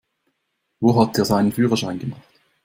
Wo hat der seinen Führerschein gemacht?